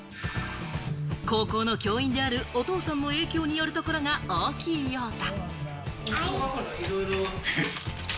高校の教員である、お父さんの影響によるところが大きいようだ。